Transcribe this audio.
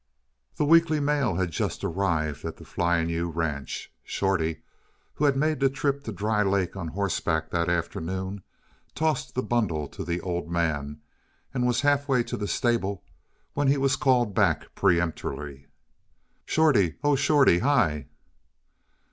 The weekly mail had just arrived at the Flying U ranch. Shorty, who had made the trip to Dry Lake on horseback that afternoon, tossed the bundle to the "Old Man" and was halfway to the stable when he was called back peremptorily. "Shorty! O h h, Shorty! Hi!"